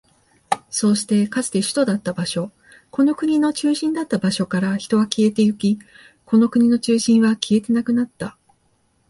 そうして、かつて首都だった場所、この国の中心だった場所から人は消えていき、この国の中心は消えてなくなった。